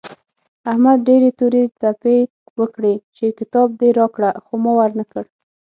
احمد ډېرې تورې تپې وکړې چې کتاب دې راکړه خو ما ور نه کړ.